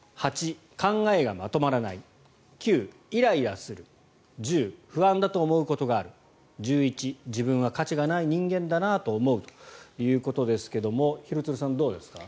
８、考えがまとまらない９、イライラする１０、不安だと思うことがある１１、自分は価値がない人間だなと思うということですが廣津留さん、どうですか？